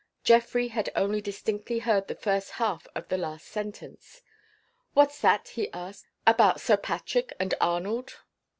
Geoffrey had only distinctly heard the first half of the last sentence. "What's that," he asked, "about Sir Patrick and Arnold?"